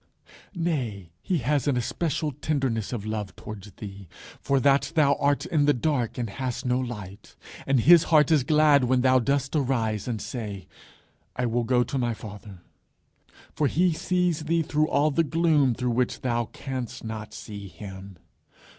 Nay, he has an especial tenderness of love towards thee for that thou art in the dark and hast no light, and his heart is glad when thou dost arise and say, "I will go to my Father." For he sees thee through all the gloom through which thou canst not see him.